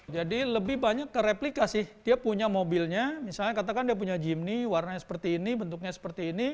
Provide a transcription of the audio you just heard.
jadi lebih banyak kereplikasi dia punya mobilnya misalnya katakan dia punya jimny warnanya seperti ini bentuknya seperti ini